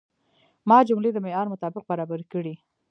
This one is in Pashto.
ما جملې د معیار مطابق برابرې کړې.